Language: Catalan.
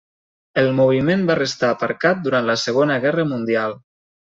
El moviment va restar aparcat durant la Segona Guerra mundial.